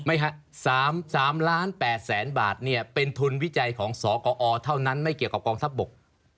ไม่ครับ๓๘ล้านบาทเป็นทุนวิจัยของสกอเท่านั้นไม่เกี่ยวกับกองทับบก